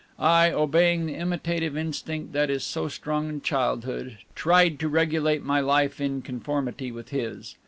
I, obeying the imitative instinct that is so strong in childhood, tired to regulate my life in conformity with his.